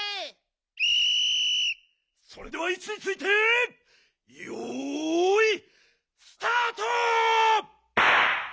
それではいちについてよいスタート！